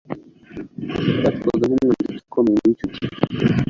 Yafatwaga nkumwanditsi ukomeye wicyo gihe